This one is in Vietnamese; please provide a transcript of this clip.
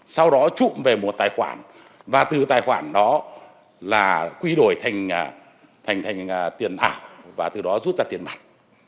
sau đó trụm về một tài khoản và từ tài khoản đó là quy đổi thành tiền ảo và từ đó rút ra tiền mặt